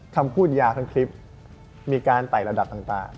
คำพูดยาทั้งคลิปมีการไต่ระดับต่าง